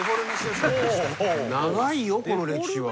長いよこの歴史は。